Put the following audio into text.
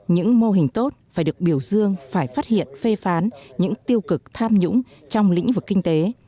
những mô hình tốt phải được biểu dương phải phát hiện phê phán những tiêu cực tham nhũng trong lĩnh vực kinh tế